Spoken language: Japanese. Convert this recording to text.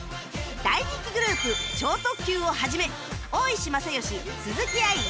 大人気グループ超特急を始め大石昌良鈴木愛理